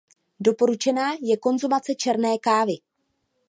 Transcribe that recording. Doporučená je konzumace černé kávy.